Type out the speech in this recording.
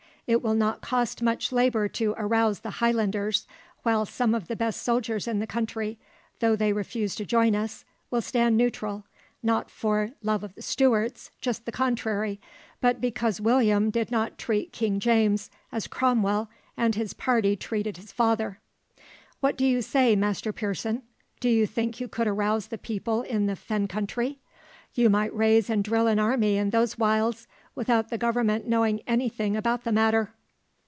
It will not cost much labour to arouse the Highlanders, while some of the best soldiers in the country, though they refuse to join us, will stand neutral, not for love of the Stuarts, just the contrary, but because William did not treat King James as Cromwell and his party treated his father." "What say you, Master Pearson? Do you think you could arouse the people in the fen country? You might raise and drill an army in those wilds without the Government knowing any thing about the matter."